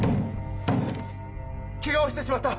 けがをしてしまった！